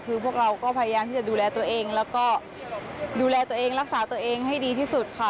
คือพวกเราก็พยายามที่จะดูแลตัวเองแล้วก็ดูแลตัวเองรักษาตัวเองให้ดีที่สุดค่ะ